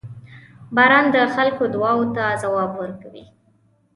• باران د خلکو دعاوو ته ځواب ورکوي.